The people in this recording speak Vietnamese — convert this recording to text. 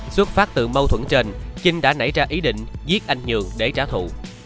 xuất phát từ mâu thuẫn trên trinh đã nảy ra ý định giết anh nhượng để trả thụ